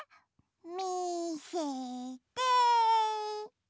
みせて！